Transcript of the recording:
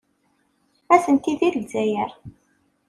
Atenti deg Lezzayer.